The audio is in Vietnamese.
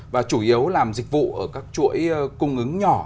và chủ yếu làm dịch vụ ở các chuỗi cung ứng nhỏ